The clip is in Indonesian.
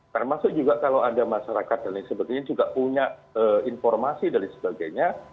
termasuk juga kalau ada masyarakat dan lain sebagainya juga punya informasi dan sebagainya